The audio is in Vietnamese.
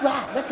mà cái gì